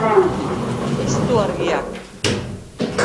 Piztu argiak